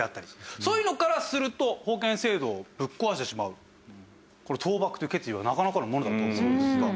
そういうのからすると封建制度をぶっ壊してしまうこれ倒幕という決意はなかなかのものだと思うんですが。